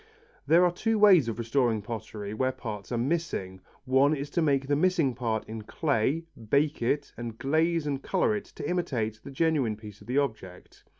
There are two ways of restoring pottery where parts are missing. One is to make the missing part in clay, bake it, and glaze and colour it to imitate the genuine part of the object.